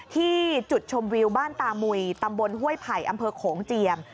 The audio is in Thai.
ที่จุดชมวิวบ้านตามุยตำบลห้วยไผ่อำเภอโขงเจียม